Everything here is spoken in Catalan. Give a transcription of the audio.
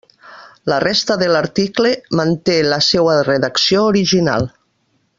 La resta de l'article manté la seua redacció original.